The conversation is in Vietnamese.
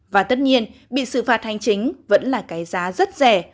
và tất nhiên bị xử phạt hành chính vẫn là cái giá rất rẻ